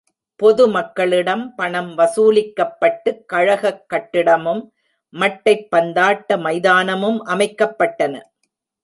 பொது மக்களிடம் பணம் வசூலிக்கப்பட்டுக் கழகக் கட்டிடமும், மட்டைப் பந்தாட்ட மைதானமும் அமைக்கப்பட்டன.